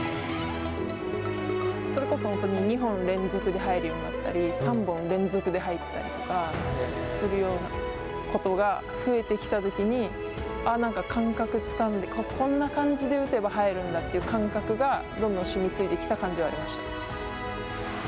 それこそ２本連続で入るようになったり３本連続で入ったりとかするようなことが増えてきたときにああ、なんか感覚つかんでこんな感じで打てば入るんだという感覚がどんどんしみついてきた感じはありました。